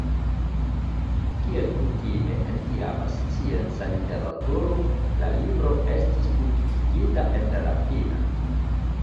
Kiel kutime en tiama scienca literaturo, la libro estis publikigita en la latina.